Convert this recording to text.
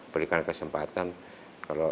berikan kesempatan kalau